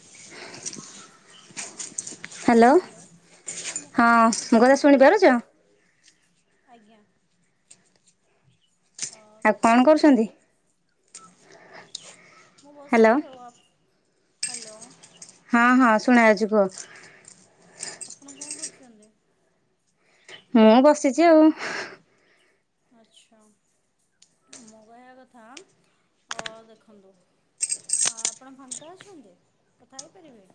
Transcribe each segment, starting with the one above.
[unintelligible] Hello. ହଁ ମୋ କଥା ମୋ ଶୁଭୁଚିତ କଥା ଶୁଣିପାରୁଛ ଆପଣଙ୍କୁ। ଆଜ୍ଞା। ହଁ କଣ କରୁଛନ୍ତି। ମୁଁ ହ୍ୟାଲୋ ବସିଛି ଆଉ। ଆପ, ହ୍ୟାଲୋ। ହଁ, ହଁ, ଶୁଣାଯାଉଛି କୁହ। ଆପଣ କଣ କରୁଛନ୍ତି। ମୁଁ ବସିଛି ଆଉ। ଆଚ୍ଛା। ମୋ କହିବା କଥା, ହଁ ଦେଖନ୍ତୁ, ଆପଣ ଫାଙ୍କା ଅଛନ୍ତି। କଥା ହେଇପାରିବେ?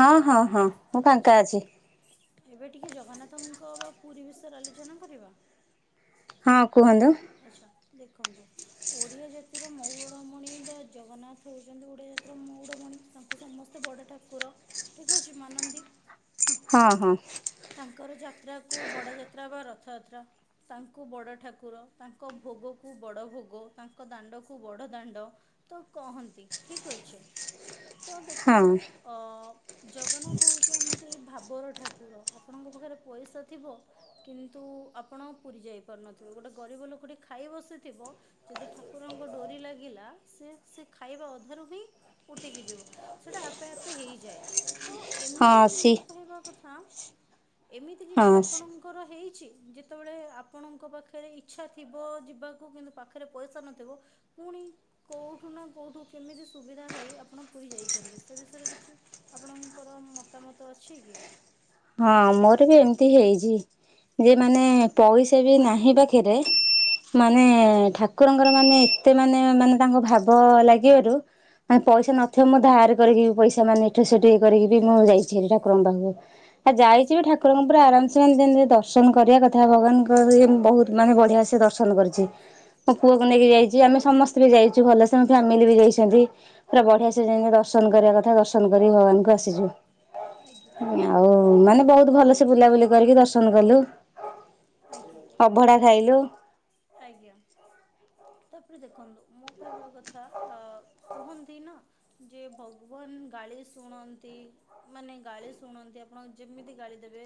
ହଁ, ହଁ, ହଁ। ମୁଁ ଆଚ୍ଛା। ଫାଙ୍କା ଅଛି ଏବେ ଟିକିଏ ଜଗନ୍ନାଥଙ୍କର ପୁରୀ ବିଷୟରେ ଆଲୋଚନା କରିବା। ହଁ, କୁହନ୍ତୁ। ଆଚ୍ଛା। ଦେଖନ୍ତୁ, ଓଡିଆ ଜାତିର ମଉରମଣି ବା ଜଗନ୍ନାଥ ହଉଛନ୍ତି ଓଡିଆ ଜାତିର ମଉରମଣି। ତାଙ୍କୁ, ସମସ୍ତେ ବଡ଼ ଠାକୁର, ଠିକ୍ ଅଛି ମାନନ୍ତି। ହଁ, ହଁ। ତାଙ୍କର ଯାତ୍ରାକୁ, ବଡ଼ଯାତ୍ରା ବା ରଥଯାତ୍ରା ତାଙ୍କୁ ବଡ଼ ଠାକୁର, ତାଙ୍କ ଭୋଗକୁ ବଡ଼ ଭୋଗ, ତାଙ୍କ ଦାଣ୍ଡକୁ ବଡ଼ ଦାଣ୍ଡ, ତ କହନ୍ତି, ଠିକ ଅଛି। ତ ହଁ ଦେଖନ୍ତୁ, ଅ ଜଗନ୍ନାଥ ହଉଛନ୍ତି ଭାବର ଠାକୁର। ଆପଣଙ୍କ ପାଖରେ ପଇସା ଥିବ, କିନ୍ତୁ ଆପଣ ପୁରୀ ଯାଇପାରୁନଥିବେ। ଗୋଟେ ଗରିବ ଲୋକଟିଏ ଖାଇ ବସିଥିବ, ଯଦି ଠାକୁରଙ୍କ ଡୋରି ଲାଗିଲା ସେ, ସେ ଖାଇବା ଅଧାରୁ ବି ଉଠକି ଯିବ। ସେଟା ଆପେ, ଆପେ ହେଇଯାଏ। ତ ଏମିତି ହଁ ସି ମୋ କହିବା କଥା, ଏମିତି ହଁ କିଛି ଆପଣ, କର ହେଇଛି ଯେତେବେଳେ ଆପଣଙ୍କ ପାଖରେ ଇଚ୍ଛା ଥିବ ଯିବାକୁ, କିନ୍ତୁ ପାଖରେ ପଇସା ନଥିବ, ପୁଣି କୋଉଠୁ ନା କୋଉଠୁ କେମିତି ସୁବିଧା ହେଇ ଆପଣ ପୁରୀ ଯାଇଛନ୍ତି। ସେ ବିଷୟରେ କିଛି, ଆପଣଙ୍କର ମତାମତ ଅଛି କି। ହଁ, ମୋର ବି ଏମିତି ହେଇଚି। ଯେ ମାନେ ପଇସା ବି ନାହିଁ ପାଖରେ ମାନେ, ଆଜ୍ଞା ଠାକୁରଙ୍କର ମାନେ ଏତେ ମାନେ, ମାନେ ତାଙ୍କ ଭାବ ଲାଗିବାରୁ ମାନେ ପଇସା ଆଜ୍ଞା ନଥିବ, ମୁଁ ଧାରେ କରିକି ପଇସା ମାନେ ଏଇଠୁ, ସେଇଠୁ କରିକି ବି ମୁଁ ଯାଇଛି ଠାକୁରଙ୍କ ପାଖକୁ ଆଉ ଆଜ୍ଞା ଯାଇଚି ଠା କୁ ଠୁକୁରଙ୍କୁ ପୁରା ଆରାମସେ ମାନେ ଯେମିତି ଦର୍ଶନ କରିବା କଥା, ଭଗବାନଙ୍କର ବହୁତ ମାନେ ବଢିଆସେ ଦର୍ଶନ କରୁଛି। ମୋ ପୁଅକୁ ନେଇକି ଯାଇଛି, ଆମେ ସମସ୍ତେ ବି ଯାଇଛୁ, ଭଲସ ଫ୍ୟାମିଲି ବି ଯାଇଛନ୍ତି। ପୁରା ବଢିଆ ସେ ଆଜ୍ଞା ଦର୍ଶନ କରିବା କଥା ଦର୍ଶନ କରିକି ଭଗବାନଙ୍କୁ ଆସିଛୁ। ଆଜ୍ଞା ଆଉ ଦେଖ ମାନେ ବହୁତ ଭଲସେ ବୁଲାବୁଲି କରିକି ଦର୍ଶନ କଲୁ। ଆଜ୍ଞା ଅଭଢା ତାପରେ ଖାଇଲୁ। ଆଜ୍ଞା। ତାପରେ ଦେଖନ୍ତୁ, ମୋ କହିବା କଥା, ଅ କୁହନ୍ତି ନା ଯେ, ଭଗବାନ ଗାଳି ଶୁଣନ୍ତି। ମାନେ ଗାଳି ଶୁଣନ୍ତି। ଆପଣ ଯେମିତି ଗାଳି ଦେବେ,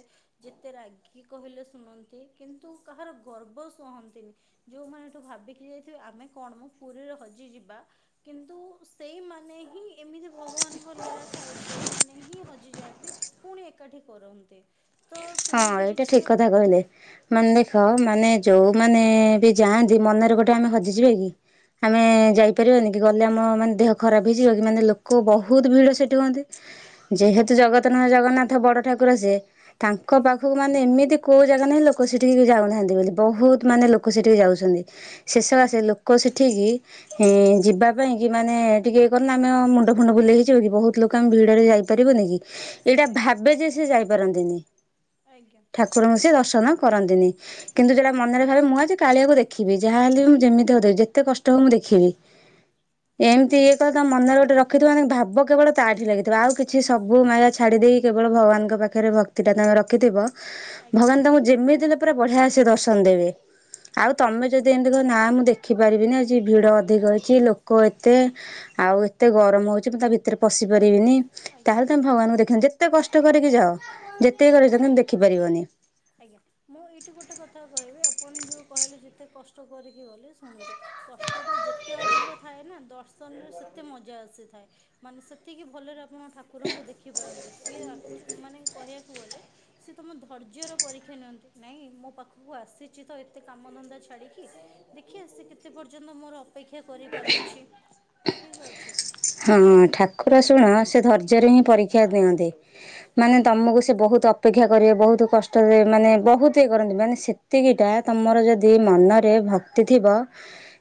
ଯେତେ ରାଗି କହିଲେ ଶୁଣନ୍ତି। ନ୍ତି, କିନ୍ତୁ କାହାର ଗର୍ବ ଶହନ୍ତିନି। ଯୋଉମାନେ ଏଠୁ ଭାବିକି ଯାଇଥିବେ, ଆମେ କଣମ ପୁରୀରେ ହଜିଯିବା। କିନ୍ତୁ ସେଇମାନେ ହିଁ ଏମିତି ଭଗବାନଙ୍କ ଲୀଳା ଥାଏ, ସେଇମାନେ ହିଁ ହଜିଯାଆନ୍ତି। ପୁଣି ଏକାଠି କରନ୍ତି। ତ ହଁ, ସେମିତି ଏଇଟା କିଛି ଠିକ୍ କଥା ଆପଣ କହିଲେ। ମାନେ ଦେଖ, ଆଜ୍ଞା ମାନେ ଯୋଉମାନେ ବି ଯାଆନ୍ତି ମନରେ ଗୋଟେ ଆମେ ହଜିଯିବା କି? ଆମେ ଆଜ୍ଞା ଯାଇପାରିବାନି? ଗଲେ ଆମ ମାନେ ଦେହ ଖରାପ୍ ହେଇଯିବ କି, ମାନେ ଲୋକ ବହୁତ୍ ଭିଡ ସେଠି ହୁଅନ୍ତି ଯେହତୁ ଆଜ୍ଞା ଜଗତ [unintelligible] ଜଗନ୍ନାଥ ବଡ ଠାକୁର ସେ, ତାଙ୍କ ଆଜ୍ଞା ଆଜ୍ଞା ପାଖକୁ ମୁଁ ମାନେ ଏମିତି କୋଉ ଜାଗା ନାହିଁ ଲୋକ ସେଠିକି ବି ଯାଉନାହାନ୍ତି ବୋଲି, ବହୁତ୍ ମାନେ ଲୋକ ସେଠିକି ଯାଉଚନ୍ତି। ଶେଷ ଆସେ ଲୋକ ସେଠିକି ଏଁ ଯିବାପାଇଁ କି ମାନେ ଟିକିଏ ଇଏ କରୁନ ଆମେ ମୁଣ୍ଡ ଫୁଣ୍ଡ ବୁଲେଇ ହେଇଯିବ କି, ବହୁତ୍ ଲୋକ ଆମେ ଭିଡରେ ଯାଇପାରିବୁନି କି? ଏଇଟା ଆଜ୍ଞା ଭାବେ ଯେ, ସେ ଯାଇପାରନ୍ତିନି। ଆଜ୍ଞା। ଠାକୁରଙ୍କୁ ସିଏ ଦର୍ଶନ କରନ୍ତିନି, କିନ୍ତୁ ଯୋଉଟା ମନରେ ଆଜ୍ଞା ଭାବେ ମୁଁ ଆଜି କାଳିଆକୁ ଦେଖିବି, ଯାହାହଲେ ବି ମୁଁ ଯେମିତି ହଉ [unintelligible] ଯେତେ କଷ୍ଟ ହଉ ମୁଁ ଦେଖିବି। ଏମ୍ତି ଇଏ କଥା ତା ମନରେ ଗୋଟେ ରଖିଥିବ [unintelligible] ଭାବ କେବଳ ତାଠି ଲାଗିଥିବ, ଆଉ କିଛି ସବୁ ମାୟା ଛାଡ଼ି ଦେଇ କେବଳ ଭଗବାନଙ୍କ ପାଖେରେ ଭକ୍ତିଟା ତାଙ୍କ ର ରଖିଥିବ ଆଜ୍ଞା ଭଗବାନ୍ ତମୁକୁ ଯେମିତିି ହେଲେ ପୁରା ବଢିଆ ସେ ଦର୍ଶନ ଦେବେ, ଆଉ ଆଜ୍ଞା ତମେ ଯଦି ଏମ୍ ତି କହିବ ନା ମୁଁ ଦେଖିପାରିବିନି, ଆଜି ଭିଡ ଅଧିକ ହେଇଚି ଲୋକ ଏତେ ଆଉ ଏତେ ଗରମ୍ ହଉଚି, ମୁ ତା ଭିତ ଭିତେରେ ପଶି ପାରିବିନି, ଆଜ୍ଞା ତାହେଲେ ତମେ ଭଗବାନଙ୍କୁ ଦେଖିବନି ଯେତେ କଷ୍ଟ କରିକି ଯାଅ [unintelligible] କର ଆଜ୍ଞା ଦେଖିପାରିବନି। ଆଜ୍ଞା, ମୁଁ ଏଇଠି ଗୋଟେ କଥା କହିବି ଆପଣ ଯୋଉ କହିଲେ ଯେତେ କଷ୍ଟ କରିକି ଗଲେ ଶୁଣନ୍ତୁ କଷ୍ଟଟା ଯେତେ ଅଧିକ ଥାଏ ନା, ଦର୍ଶନରେ ସେତେ ମଜା ଆସିଥାଏ। ମାନେ ସେତିକି ଭଲରେ ଆପଣ ଠାକୁରଙ୍କୁ ଦେଖି ପାରନ୍ତି, ସିଏ ଆକ୍ଚୁ ମାନେ କହିବାକୁ ଗଲେ ସିଏ ତମ ଧୈର୍ଯ୍ୟର ପରୀକ୍ଷା ନିଅନ୍ତି, ନାଇଁ ମୋ ପାଖୁକୁ ଆସିଚି ତ ଏତେ କାମଧନ୍ଦା ଛାଡ଼ିକି ଦେଖିଆ ସେ କେତେ ପର୍ଯ୍ୟନ୍ତ ମୋର ଅପେକ୍ଷା କରିପାରୁଛି, ଠିକ ଅଛି। ହଁ ଠାକୁର ଶୁଣ ତ ସେ ଧୈର୍ଯ୍ୟରେ ହିଁ ପରୀକ୍ଷା ନିଅନ୍ତି। ମାନେ ତମକୁ ସେ ବହୁତ୍ ଅପେକ୍ଷା କରିବେ, ବହୁତ କଷ୍ଟରେ ମାନେ ବହୁତ୍ ଇଏ କରନ୍ତି, ମାନେ ସେ ଏତିକିଟା ଆଜ୍ଞା ତମର ଯଦି ମନରେ ଭକ୍ତି ଥିବ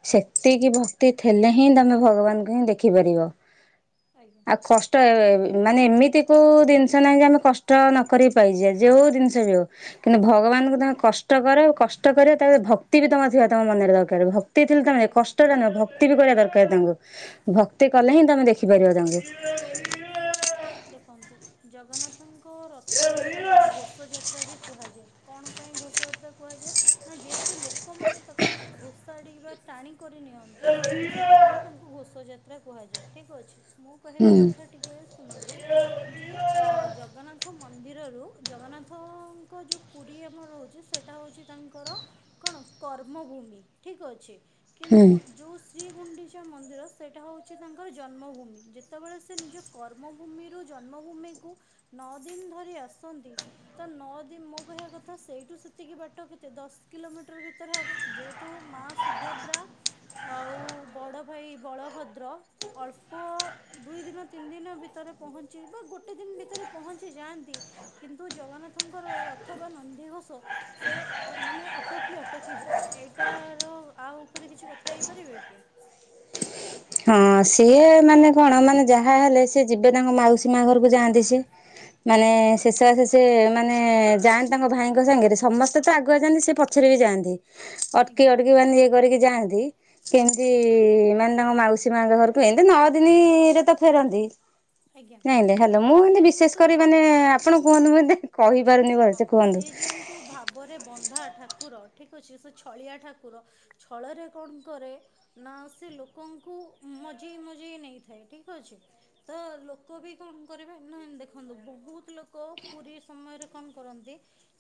ସେତିକି ଭକ୍ତି ଥେଲେ ହିଁ, ତମେ ଭଗବାନଙ୍କୁ ହିଁ ଦେଖିପାରିବ। ଆଜ୍ଞା ଆଉ କଷ୍ଟ ତ ଏ [unintelligible] ମାନେ ଏମିତି କୋଉ ଦିନିଷ ନାହିଁ ଯେ ଆମେ କଷ୍ଟ ନ କରିକି ପାଇଯିବା, ଯୋଉ ଦିନିଷ ବି ହଉ କିନ୍ତୁ ଆଜ୍ଞା ଭଗବାନଙ୍କୁ ତମେ କଷ୍ଟ କର, କଷ୍ଟ କରିବ ତା ଭକ୍ତି ବି ତମ ଥିବା ତମ ମନରେ ଥିବା ଦରକାର ଭ ଭକ୍ତି ଥିଲେ ତମେ ଆଜ୍ଞା କଷ୍ଟଟା ନୁହଁ, ଭକ୍ତି ବି କରିବା ଦରକାର ତାଙ୍କୁ, ଭକ୍ତି କଲେ ହିଁ ତମେ ଦେଖିପାରିବ ତାଙ୍କୁ। ଆଜ୍ଞା, ଦେଖନ୍ତୁ ଜଗନ୍ନାଥଙ୍କ ରଥଯାତ୍ରାକୁ ଘୋଷ ଯାତ୍ରା ବି କୁହାଯାଏ, କଣ ପାଇଁ ଘୋଷ ଯାତ୍ରା କୁହାଯାଏ, ନା ଯେହେତୁ ଲୋକମାନେ ତାକୁ ଘୋଷାଡି ବା ଟାଣି କରି ନିଅନ୍ତି, ସେଥିପାଇଁ ତାଙ୍କୁ ଘଷ ଯାତ୍ରା କୁହାଯାଏ ଠିକ୍ ଅଛି ମୁଁ କହବା ହୁଁ କଥା ଟିକେ ଶୁଣନ୍ତୁ ଯେ ଅ ଜଗନ୍ନାଥ ମନ୍ଦିରରୁ ଜଗନ୍ନାଥଙ୍କ ଯୋଉ ପୁରୀ ଆମର ରହୁଚି ସେଟା ହଉଚି ତାଙ୍କର କଣ କର୍ମଭୂମି, ଠିକ୍ ଅଛି। ହୁଁ। କିନ୍ତୁ ଯୋଉ ଶ୍ରୀ ଗୁଣ୍ଡିଚା ମନ୍ଦିର ସେଇଟା ହେଉଚି ତାଙ୍କର ଜନ୍ମଭୂମି, ଯେ ତବଳେ ସେ ନିଜ କର୍ମଭୂମିରୁ ଜନ୍ମଭୂମିକୁ ନଅ ଦିନ୍ ଧରି ଆସନ୍ତି ତ ନଅଦି ମୋ କହିବା କଥା ସେଇଠୁ ସେତିକି ବାଟ କେତେ ଦଶ୍ କିଲୋମିଟର ଭିତେରେ ହବ। ଯେହେତୁ ମା ସୁଭଦ୍ରା ଆଉ ବଡ଼ ଭାଇ ବଳଭଦ୍ର, ଅଳ୍ପ ଦୁଇ ଦିନ ତିନି ଦିନ ଭିତରେ ପହଞ୍ଚି ବା ଗୋଟେ ଦିନ ଭିତରେ ପହଞ୍ଚି ଯାଆନ୍ତି, କିନ୍ତୁ ଜଗନ୍ନାଥଙ୍କର ରଥ ବା ନନ୍ଦିଘୋଷ, ସେ ମାନେ ଅଟକି ଅଟକି ଯାଏ ଏଇଟାର ଆଉ ଉପରେ କିଛି କଥା ହେଇପାରିବେ କି? ହଁ ସିଏ ମାନେ କଣ ମାନେ ଯାହା ହେଲେ ସି ଯିବେ ତାଙ୍କ ମାଉସୀ ମା ଘରକୁ ଯାଆନ୍ତି ସି। ମାନେ ଶେଷ ସେ ମାନେ ଯାନ୍ତି ତାଙ୍କ ଭାଇଙ୍କ ସାଙ୍ଗରେ ସମସ୍ତେ ତ ଆଗୁଆ ଯାନ୍ତି ସେ ପଛରେ ବି ଯଆନ୍ତି। ଅଟକି ଆଜ୍ଞା। ଅଟକି ମାନେ ଇଏ କରିକି ଯାଆନ୍ତି କେମିତି ମାନେ ତାଙ୍କ ମାଉସୀ ୀ ମାଙ୍କ ଘରକୁ ଏନ୍ତି ନଅ ଦିନରେ ନା ଫେରନ୍ତି ଆଜ୍ଞା ନାଇଁ ହେଲ ଦେଖନ୍ତୁ ମୁଁ ଏତି ସିଏ ବିଶେଷ ଯେହେତୁ କରି ମାନେ ଭାବ ଆପଣ କୁହନ୍ତୁ ଏ କହିପାରୁନି ହଁ ଭଲସେ କୁହନ୍ତୁ। ସିଏ ଯେହତୁ ଭାବରେ ବନ୍ଧା ଠାକୁର ଠିକ୍ ଅଛି ସେ ଛଳିଆ ଠାକୁର, ଛଳରେ କଣ କରେ, ନା ସେ ଲୋକଙ୍କୁ ମଜେଇ ମଜେଇ ନେଇଥାଏ ଠିକ ଅଛି, ତ ଲୋକ ବି କଣ କରିବେ ନ ଦେଖନ୍ତୁ ବହୁତ ଲୋକ ପୁରୀ ସମୟରେ, କଣ କରନ୍ତି?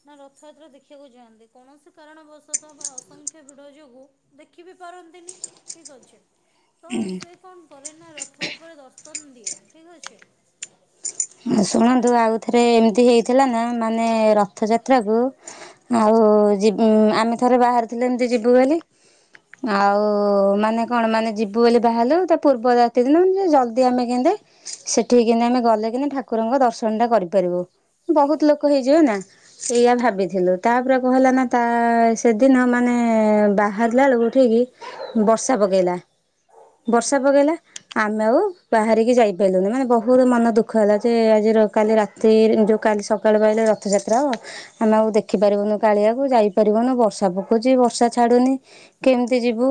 ନା ରଥଯାତ୍ରା ଦେଖିବାକୁ ଯାଆନ୍ତି। କୌଣସି କାରଣବଶତଃ ବା ଅସଂଖ୍ୟ ଭିଡ ଯୋଗୁ, ଦେଖି ବି ପାରନ୍ତିନି। ଠିକ ଅଛି, ତ ସେ କ'ଣ କରେ ନା ରଥ ଉପରେ ଦର୍ଶନ ଦିଏ। ଠିକ୍ ଅଛି, ଶୁଣନ୍ତୁ ଯେତେବେଳେ ଆଉ ଥରେ ଏମିତି ହେଇଥିଲା ନା, ମାନେ ରଥଯାତ୍ରାକୁ, ଆଉ ଆଜ୍ଞା ଆମେ ଥରେ ବାହାରିଥିଲେୁ ଏମିତି ଯିବୁ ବୋଲି, ଆଜ୍ଞା ଆଉ ମାନେ, କଣ ମାନେ ଯିବୁ ବୋଲି ବାହାରିଲୁ ତା ପୂର୍ବ ରାତି ଦିନ ମାନେ ଜଲଦି ଆମେ କେନ୍ତି, ସେଠିକି କିନ୍ତ ଆମେ ଗଲେ କିନ୍ତୁ ଠାକୁରଙ୍କ ଦର୍ଶନ ଟା କରିପାରିବୁ। ଆଜ୍ଞା ବହୁତ ଲୋକ ହେଇଯିବ ନା ସେଇଆ ଆଜ୍ଞା ଭାବିଥିଲୁ ତାପରେ କଣ ହେଲା ନା, ତା ସେଦିନ ମାନେ ବାହାରିଲା ବେଳକୁ ଉଠିକି ବର୍ଷା ପକେଇଲା। ଆଜ୍ଞା ବର୍ଷା ପକେଇଲା, ଆମେ ଆଉ ବାହାରିକି ଯାଇପାରିଲୁନି ମାନେ ବହୁତ ମନ ଦୁଃଖ ହେଲା। ସେ ଆଜିର କାଲି ରାତି ଯେଉଁ କାଲି ସକାଳୁ ଆଇଲେ ରଥଯାତ୍ରା ହେବ। ଆମେ ଆଉ ଦେଖି ପାରିବୁନୁ କାଳିଆକୁ ଯାଇପାରିବୁନୁ ବର୍ଷା ପକଉଛି ବର୍ଷା ଛାଡୁନି, କେମିତି ଯିବୁ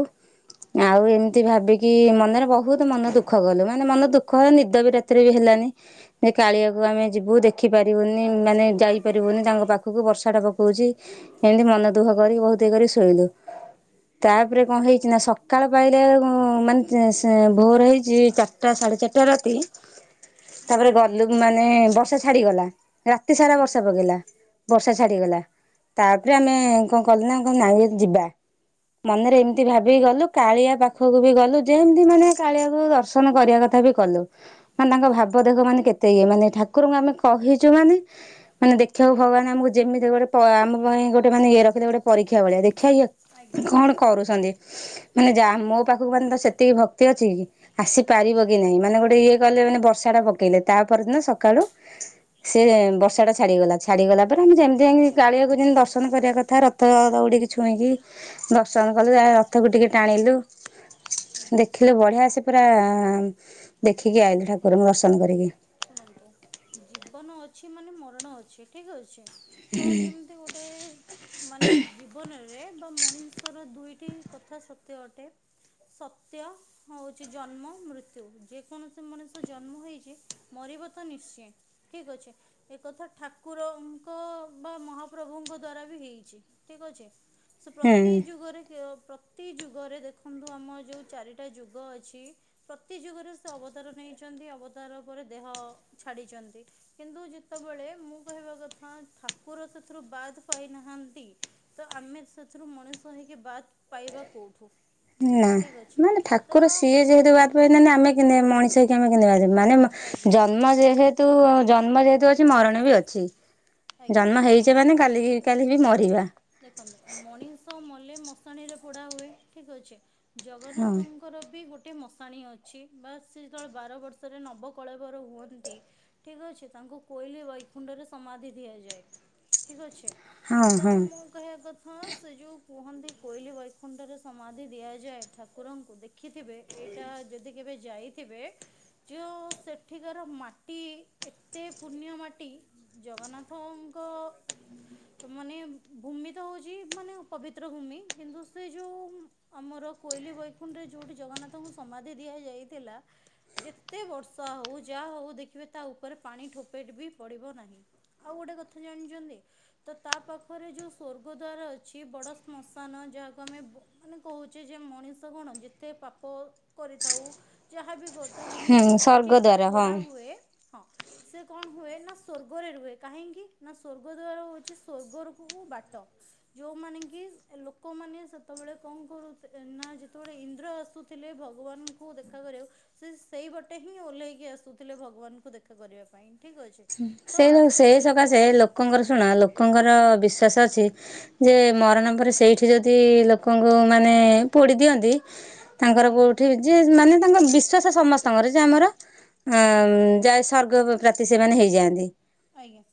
ଆଉ ଏ ଏମତି ଆଜ୍ଞା ଭାବିକି ମନରେ ବହୁତ ମନ ଦୁଃଖ କଲୁ ମାନେ ମନ ଦୁଃଖ ହେଲା ନିଦ ବି ରାତିରେ ବି ହେଲାନି। ଯେ କାଳିଆକୁ ଆମେ ଆଜ୍ଞା ଯିବୁ ଦେଖିପାରିବୁନି ମାନେ ଯାଇପାରିବୁନି ତାଙ୍କ ପାଖକୁ ବର୍ଷା ଟା ପକଉଛି। ଏମତି ମନ ଦୁଃଖ କରିକି ବହୁତ ଇ କରି ଶୋଇଲୁ ଆଜ୍ଞା ତାପରେ କଣ ହେଇଛି ନା ସକାଳ ପାଇଲେ ବେଳୁ ମାନେ ଭୋର ହେଇଛି ଚାରିଟା ସାଢେ ଚାରିଟା ରାତି, ଆଜ୍ଞା ତାପରେ ଗଲୁ ମାନେ ବର୍ଷା ଛାଡିଗଲା ରାତି ସାରା ଆଜ୍ଞା ବର୍ଷା ଆଜ୍ଞା ପକେଇଲା। ବର୍ଷା ଛାଡିଗଲା। ତାପରେ ଆମେ କଣ କଲେ ନା କଣ ନାଇ ଯିବା। ମନରେ ଆଜ୍ଞା ଏମିତି ଭାବ ବି ଗଲୁ କାଳିଆ ପାଖକୁ ବି ଗଲୁ ଯେମତି ମାନେ କାଳିଆକୁ ଦର୍ଶନ କରିବା କଥା ବି କଲୁ। ମାନେ ତାଙ୍କ ଆଜ୍ଞା ଭାବ ଦେଖ ମାନ କେତେ ଇଏ ମାନେ ଠାକୁରଙ୍କୁ ଆମେ, କହିଛୁ ମାନେ ମାନେ ଦେଖିବାକୁ ଆଜ୍ଞା ଭଗବାନ ଆମକୁ ଯେମିତି ହୋଉ ଗୋଟେ ଆମ ପାଇଁ ଗୋଟେ ମାନେ ଇଏ ରଖିଦେବେ ଗୋଟେ ପରୀକ୍ଷା ଭଳିଆ ଦେଖିବା ଇଏ ଆଜ୍ଞା କଣ କରୁଛନ୍ତି। ମାନେ ଯା ମୋ ପାଖକୁ ମାନେ ତ ସେତିକି ଭକ୍ତି ଅଛି କି। ଆସି ପାରିବ କି ନାହିଁ ମାନେ ଗୋଟେ ଇଏ କଲେ ମାନେ ବର୍ଷା ଟା ପକେଇଲେ ତାପରଦିନ ସକାଳୁ ସିଏ ବର୍ଷା ଟା ଛାଡିଗଲା, ଛାଡିଗଲା ପରେ ଆମେ ଯେମିତି ଯାଇକି କାଳିଆକୁ ଜେମି ଦର୍ଶନ କରିବା କଥା ରଥ ଥ ଦଉଡ଼ିକି ଛୁଇଁକି। ଦର୍ଶନ କଲୁ ଆଜ୍ଞା ଯା ରଥକୁ ଟିକେ ଟାଣିଲୁ ଆଜ୍ଞା ଦେଖିଲୁ ବଢିଆ ସେ। ପୁରା ଦେଖିକି ଆଇଲୁ ଠାକୁରଙ୍କୁ ଦେଖନ୍ତୁ ଦର୍ଶନ କରିକି। ଶୁଣନ୍ତୁ ଜୀବନ ଅଛି ମାନେ ମରଣ ଅଛି ଠିକ୍ ଅଛି ତ ଯେମ ତି ଗୋଟେ। ମାନେ ଜୀବନରେ ବା ମଣିଷର ଦୁଇଟି କଥା ସତ୍ୟ ଅଟେ। ସତ୍ୟ ହଉଚି ଜନ୍ମ ମୃତ୍ୟୁ ଯେକୌଣ ମଣିଷ ଜନ୍ମ ହେଇଛି ମରିବ ତ ନିଶ୍ଚୟ ଠିକ୍ ଅଛି। ଏକଥା ଠାକୁରଙ୍କ ବା ମହାପ୍ରଭୁଙ୍କ ଦ୍ଵାରା ବି ହେଇଛି ଠିକ୍ ଅଛି। ସେ ପ୍ରତି ହୁଁ ଯୁଗରେ କିଏ ପ୍ରତ୍ ପ୍ରତି ଯୁଗରେ ଦେଖନ୍ତୁ ଆମ ଯୋଉ ଚାରିଟା ଯୁଗ ଅଛି ପ୍ରତି ଯୁଗରେ ସେ ଅବ ଅବତାର ନେଇଛନ୍ତି ଅବତାର ପରେ ଦେହ ଛାଡ଼ିଚନ୍ତି କିନ୍ତୁ ଯେତେବେଳେ ମୁଁ କହିବା କଥା। ହଁ ଠାକୁର ସେଥିରୁ ବାଦ୍ ପାଇନାହାନ୍ତି। ତ ଆମେ ସେଥିରୁ ମଣିଷ ହେଇକି ବାଦ୍ ପାଇବା କୋଉଠୁ। ନା ମାନେ ଠାକୁର ସିଏ ମୁଁ ଯେହେତୁ କହ ବାଦ୍ ପାଇ ନା ନା ଆମେ କେମିତି ମଣିଷ ହେଇ କିି ଆମେ କେମିତି [unintelligible] ମାନେ ଆଜ୍ଞା ଜନ୍ମ ଯେହେତୁ ଜନ୍ମ ଯେହେତୁ ଅଛ ମରଣ ବି ଅଛି ଆଜ୍ଞା ଜନ୍ମ ହେଇଚେ ଦେଖନ୍ତୁ ମାନେ କାଲିକି କାଲି ବି ମରିବା। ଦେଖନ୍ତୁ ମଣିଷ ମଲେ ମଶାଣିରେ ପୋଡା ହୁଏ ଠିକ୍ ଅଛି ଜଗନ୍ନାଥ ହଁ ତାଙ୍କର ବି ଗୋଟେ ମଶାଣି ଅଛି ବା ସେ ଯେତେବେଳେ ବାର ବର୍ଷରେ ନବକଳେବର ହୁଅନ୍ତି। ଠିକ୍ ଅଛି ତାଙ୍କୁ କୋଇଲି ବୈକୁଣ୍ଠରେ ସମାଧି ଦିଆଯାଏ ଠିକ୍ ଅଛି। ହଁ ତ ହଁ ମୁଁ। କହିବା କଥା ସେ ଯଉ କୁହନ୍ତି କୋଇଲି ବୈକୁଣ୍ଠରେ ସମାଧି ଦିଆଯାଏ। ଠାକୁରଙ୍କୁ ଦେଖିଥିବେ ଏଇଟା ଯଦି କେବେ ଯାଇଥିବେ। ଯୋଉ ସେଠିକାର ମାଟି ଏତେ ପୁଣ୍ୟ ମାଟି। ଜଗନ୍ନାଥଙ୍କ ମାନେ। ଭୂମି ତ ହୋଉଚି ମାନେ ପବିତ୍ର ଭୂମି କିନ୍ତୁ ସେ ଯୋଉ। ଅମର କୋଇଲି ବୈକୁଣ୍ଠରେ ଯୋଉଠି ଜଗନ୍ନାଥଙ୍କୁ ସମାଧି ଦିଆ ହେଇ ଯାଇଥିଲା। ଯେତେ ବର୍ଷା ହଉ ଯା ହଉ ଦେଖିବେ ତା ଉପରେ ପାଣି ଠୋପେଟ ବି ପଡ଼ିବ ନାହିଁ। ଆଉ ଗୋଟେ କଥା ଜାଣିଛନ୍ତି ତ ତା ପାଖ ପାଖରେ ଯୋଉ ସ୍ଵର୍ଗ ଦ୍ଵାର ଅଛି ବଡ଼ ଶ୍ମଶାନ ଯାହାକୁ ଆମେ ବ ମାନେ କହୁଛେ ଯେ ମଣିଷ କଣ ଯେ ତେ ପାପ କରିଥାଉ ଯାହାବି କରିଥାଉ କିନ୍ତୁ ହୁଁ ଯଦି ସ୍ୱର୍ଗ ସେଇଠି ଦ୍ୱାର ହଁ ପୋଡ଼ା ହୁଏ। ହଁ ସେ କଣ ହୁଏ ନା ସ୍ଵର୍ଗରେ ରୁହେ କାହିଁକି ନା ସ୍ଵର୍ଗ ଦ୍ଵାରା ହଉଛି ସ୍ଵର୍ଗ ରୁ କୁ ବାଟ ଯୋଉମାନେ କି ଲୋକମାନେ ସେତେବେଳେ କଣ କରୁ ନା ଯେତେବେଳେ ଇନ୍ଦ୍ର ଆସୁଥିଲେ ଭଗବାନଙ୍କୁ ଦେଖା କରିବାକୁ। ସେ ସେଇ ବାଟେ ହିଁ ଓହ୍ଲେଇକି ଆସୁଥିଲେ ଭଗବାନଙ୍କୁ ଦେଖା କରିବା ପାଇଁ ଠିକ୍ ଅଛି। ତ ସେ ଆସ୍ତେ ସେଇ ଆସ୍ତେ ଲୋକ ସକାଶେ ଲୋକଙ୍କର ଶୁଣ ଲୋକଙ୍କର ବିଶ୍ଵାସ ଅଛି। ଯେ ମରଣ ପରେ ସେଇଠି ଯଦି ଲୋକଙ୍କୁ ମାନେ ପୋଡ଼ି ଦିଅନ୍ତି। ତାଙ୍କର ଆଜ୍ଞା କୋଉଠି ଯେ ମାନେ ତାଙ୍କ ବିଶ୍ଵାସ ସମସ୍ତଙ୍କର ଯେ ଆମର। ଅଂ ଆଜ୍ଞା ଯାଏ ସର୍ଗ ପ୍ରାପ୍ତି ସେମାନେ ହେଇଯାଆନ୍ତି। ଆଜ୍ଞା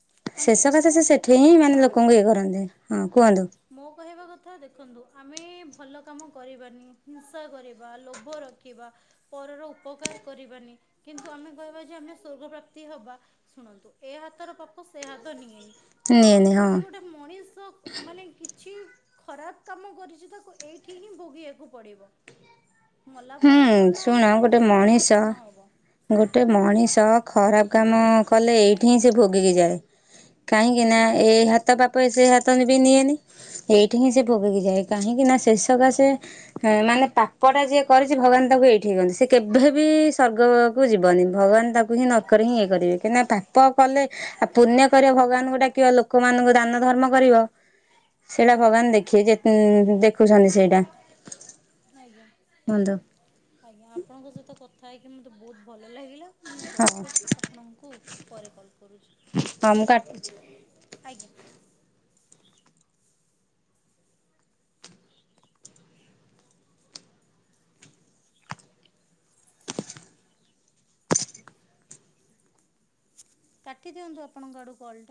ହଁ ଯେ ଶେଷ କଥା କିନ୍ତୁ ସେ ମୁଁ ସେଠି କହିବା ହିଁ ମାନେ କଥା ଲୋକଙ୍କୁ ଇଏ କରନ୍ତି ହଁ କୁହନ୍ତୁ। ମୋ କହିବା କଥା ଦେଖନ୍ତୁ ଆମେ ଭଲ କାମ କରିବାନି, ହିଂସା କରିବା, ଲୋଭ ରଖିବା। ପରର ଉପକାର କରିବାନି କିନ୍ତୁ ଆମେ କହିବା ଯେ ଆମେ ସ୍ୱର୍ଗ ପ୍ରାପ୍ତି ହବା। ଶୁଣନ୍ତୁ ଏ ହାତର ପାପ ସେ ହାତ ନିଏନି। ତ ନିଏନି ହଁ। ଯଦି ଗୋଟେ ମଣିଷ ମାନେ କିଛି ଖରାପ କାମ କରିଛି ତାକୁ ଏଇଠି ହିଁ ଭୋଗିବାକୁ ପଡିବ। ହୁଁ ମଲାପରେ ଥୁଡିନା ଶୁଣ ଆମେ ଗୋଟେ ଜାଣିଛେ କଣ ମଣିଷ ହବ ନହବ। ଗୋଟେ ମଣିଷ ଖରାପ କାମ କଲେ ଏଇଠି ହିଁ ସେ ଭୋଗିକି ଯାଏ। କାହିଁକି ନା ଏଇ ହାତ ପାପ ସେ ହାତ ବି ନିଏନି ଏଇଠି ହିଁ ସେ ଆଜ୍ଞା ଭୋଗକି ଯାଏ। କାହିଁକି ନା ସେ ସକାଶେ ମାନେ ପାପଟା ଯିଏ କରିଛି ଭଗବାନ ତାଙ୍କୁ ଏଇଠି କରନ୍ତି ସେ କେବେ ବି ସର୍ଗକୁ ଯିବନି ଭଗବାନ ତାକୁ ହିଁ ନ ପାଖରେ ହିଁ ଆଜ୍ଞା ଇଏ କରିବେ କାହିଁକନା ପାପ କଲେ ଆଉ ପୁଣ୍ୟ କରିବ ଭଗବାନଙ୍କୁ ଡାକିବ ଲୋକମାନଙ୍କୁ ଦାନ ଧର୍ମ କରିବ। ସେଇଟା ଆଜ୍ଞା ଭଗବାନ ଦେଖିବେ ଯେ ଦେଖୁଛନ୍ତି ସେଇଟା। ଆଜ୍ଞା। କୁହନ୍ତୁ। ଆଜ୍ଞା ଆପଣଙ୍କ ସହିତ କଥା ହେଇକି ମତେ ବହୁତ ଭଲ ଲାଗିଲା। ମୁଁ ହଉ ରଖୁଛି ଆପଣଙ୍କୁ ପରେ କଲ୍ କରୁଛି। ହଉ ମୁଁ କାଟୁଛି। ଆଜ୍ଞା। କାଟି ଦିଅନ୍ତୁ ଆପଣଙ୍କ ଆଡୁ କଲଟା।